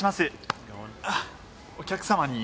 お客さま。